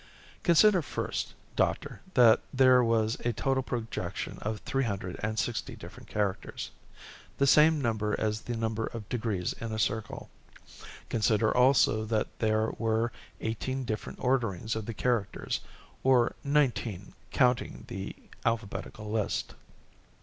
"Consider first, doctor, that there was a total projection of three hundred and sixty different characters. The same number as the number of degrees in a circle. Consider also that there were eighteen different orderings of the characters, or nineteen counting the alphabetical list.